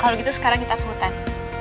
kalau gitu sekarang kita ke hutan